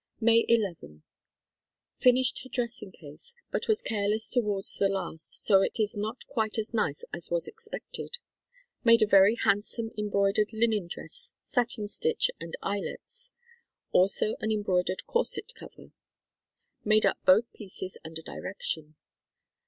May, 'u. Finished her dressing case, but was careless towards the last, so it is not quite as nice as was expected. Made a very handsome embroidered linen dress (satin stitch and eyelets), also an em broidered corset cover. Made up both pieces under direction.